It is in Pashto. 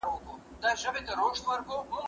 له ژرندي زه راځم، د مزد خبري ئې ته کوې.